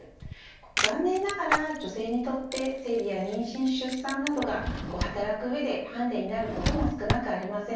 残念ながら女性にとって生理や妊娠、出産などが働く上でハンデになることも少なくありません。